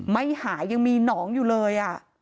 ไม่หายยังมีหนองอยู่เลย